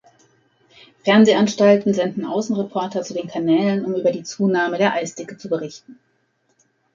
Fernsehanstalten senden Außenreporter zu den Kanälen, um über die Zunahme der Eisdicke zu berichten.